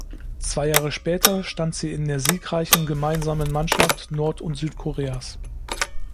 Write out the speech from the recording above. Zwei Jahre später stand sie in der siegreichen gemeinsamen Mannschaft Nord- und Südkoreas.